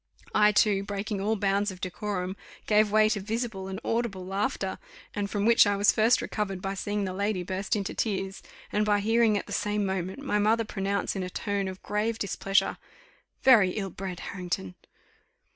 I, too, breaking all bounds of decorum, gave way to visible and audible laughter; and from which I was first recovered by seeing the lady burst into tears, and by hearing, at the same moment, my mother pronounce in a tone of grave displeasure, "Very ill bred, Harrington!"